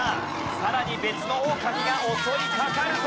さらに別のオオカミが襲いかかるぞ！